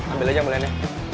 ambil aja ambilannya